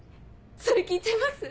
それ聞いちゃいます？